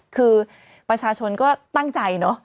คือประชาชนก็ตั้งใจรึเปล่า